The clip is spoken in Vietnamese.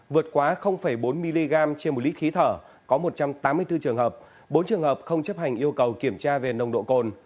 vượt quá bốn mg trên một lít khí thở có một trăm tám mươi bốn trường hợp bốn trường hợp không chấp hành yêu cầu kiểm tra về nồng độ cồn